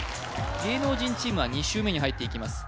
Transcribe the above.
芸能人チームは２周目に入っていきます